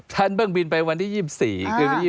เพิ่งบินไปวันที่๒๔คือวันที่๒๒